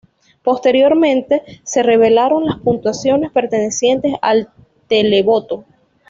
Posteriormente, se revelaron las puntuaciones pertenecientes al televoto.